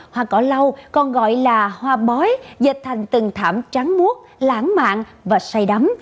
hoa cỏ lâu còn gọi là hoa bói dịch thành từng thảm trắng muốt lãng mạn và say đắm